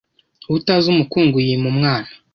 Utazi umukungu yima umwana